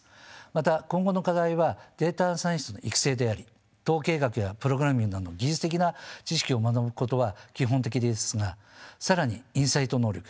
また今後の課題はデータサイエンティストの育成であり統計学やプログラミングなどの技術的な知識を学ぶことは基本的ですが更にインサイト能力